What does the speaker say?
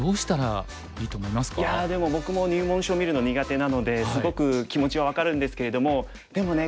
いやでも僕も入門書見るの苦手なのですごく気持ちは分かるんですけれどもでもね